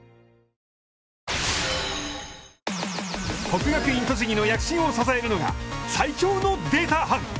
国学院栃木の躍進を支えるのが最強のデータ班！